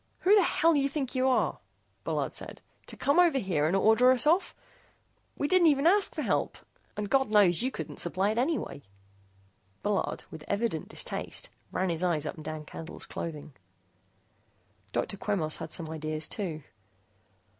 "Who the hell you think you are," Bullard said, "to come over here and order us off? We didn't even ask for help. And, God knows, you couldn't supply it anyway." Bullard, with evident distaste, ran his eyes up and down Candle's clothing. Dr. Quemos had some ideas, too.